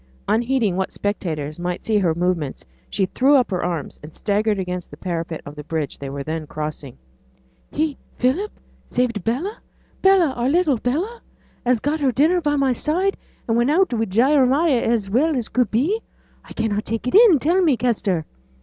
Unheeding what spectators might see her movements, she threw up her arms and staggered against the parapet of the bridge they were then crossing. 'He! Philip! saved Bella? Bella, our little Bella, as got her dinner by my side, and went out wi' Jeremiah, as well as could be. I cannot take it in; tell me, Kester.'